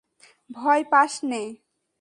ভয় পাস নে।